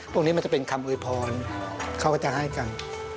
มันจะเป็นคำอวยพรเขาก็จะให้กัน